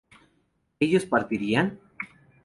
¿ellos partirían?